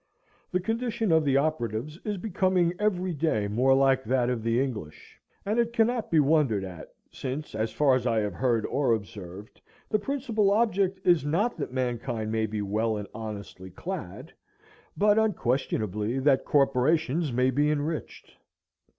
The condition of the operatives is becoming every day more like that of the English; and it cannot be wondered at, since, as far as I have heard or observed, the principal object is, not that mankind may be well and honestly clad, but, unquestionably, that corporations may be enriched.